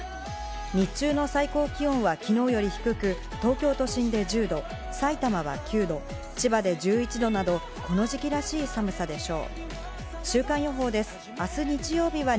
日中の最高気温は、きのうより低く、東京都心で１０℃、さいたまは９度、千葉で１１度など、この時期らしい寒さでしょう。